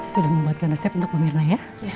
saya sudah membuatkan resep untuk pemirna ya